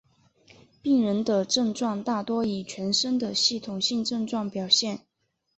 病人的症状大多以全身的系统性症状表现。